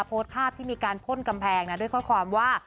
โพสต์ภาพที่มีการพ่นกำแพงนะด้วยข้อความว่า